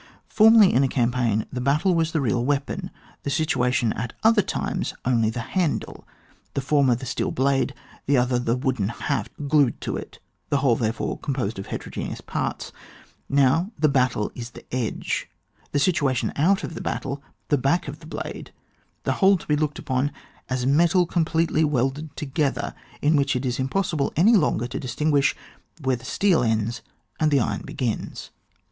Formerly in a cam paign the battle was the real weapon, the situation at other times only the handle — the former the steel blade, the other t^e wooden haft glued to it, the whole therefore composed of heteroge neous parts, — now the battle is the edge, the situation out of the battle the back of the blade, the whole to be looked upon as metal completely welded together, in which it is impossible any longer to distinguish where the steel ends and the iron begins.